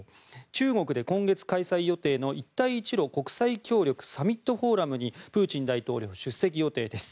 中国で今月開催予定の一帯一路国際協力サミットフォーラムにプーチン大統領も出席予定です。